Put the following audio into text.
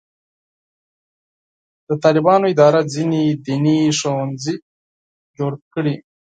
د طالبانو اداره ځینې دیني ښوونځي جوړ کړي.